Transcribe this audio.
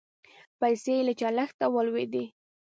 پیسې له چلښته ولوېدې.